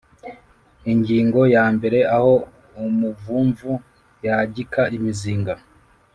Ingingo ya mbere Aho umuvumvu yagika imizinga